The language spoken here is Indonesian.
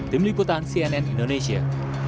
tim liputan cnn indonesia